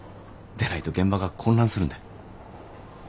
でないと現場が混乱するんで。